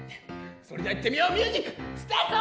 それではいってみようミュージックスタート！